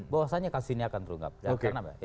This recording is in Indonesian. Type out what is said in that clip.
bahwasannya kasus ini akan terungkap